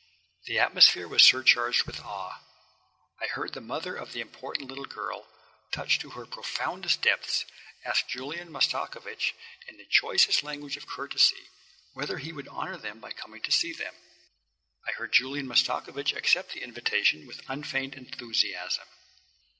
The atmosphere was surcharged with awe. I heard the mother of the important little girl, touched to her profoundest depths, ask Julian Mastakovich in the choicest language of courtesy, whether he would honour them by coming to see them. I heard Julian Mastakovich accept the invitation with unfeigned enthusiasm.